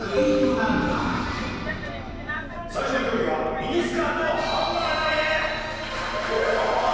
最初の競技はミニスカートハンマー投げ！